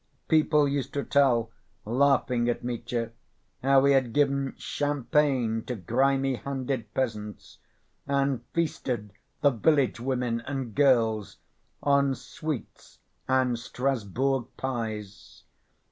People used to tell, laughing at Mitya, how he had given champagne to grimy‐ handed peasants, and feasted the village women and girls on sweets and Strasburg pies.